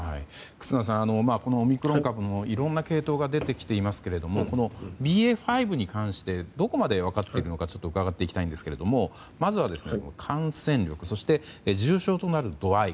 忽那さん、オミクロン株のいろんな系統が出てきていますけどもＢＡ．５に関してどこまで分かっているのか伺っていきたいんですがまずは感染力そして重症となる度合い